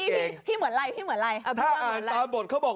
เหมือนฟา๊ก